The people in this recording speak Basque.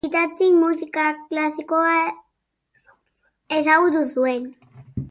Txikitatik musika klasikoa ezagutu zuen.